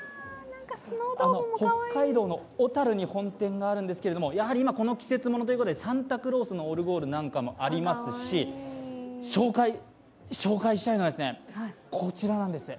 北海道の小樽に本店があるんですけど、季節物ということでサンタクロースのオルゴールなんかもありますし紹介したいのが、こちらなんです。